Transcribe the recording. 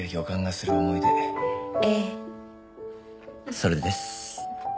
それです。